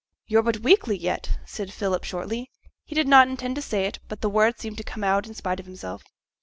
'You're but weakly yet,' said Philip shortly; he did not intend to say it, but the words seemed to come out in spite of himself.